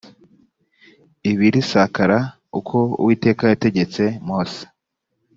ibirisakara uko uwiteka yategetse mose